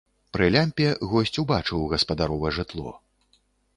Пры лямпе госць убачыў гаспадарова жытло.